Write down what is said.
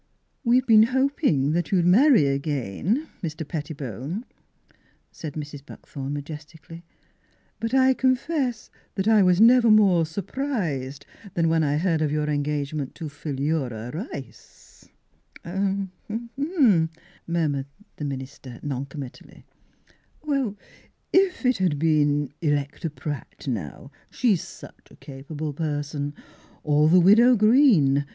" We've been hoping that you'd marry again, Mr. Pettibone," said Mrs. Buck thorn majestically; "but I confess that I was never more surprised than when I heard of your engagement to Philura Rice.'* Miss Philura's Wedding Gown Hm — m," murmured the minister noncommittally. " If it had been Electa Pratt, now, — she's such a capable person — or the Widow Green.